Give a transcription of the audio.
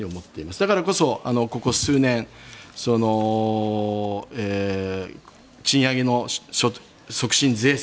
だからこそ、ここ数年賃上げの促進税制。